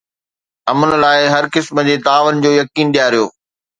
امن لاءِ هر قسم جي تعاون جو يقين ڏياريو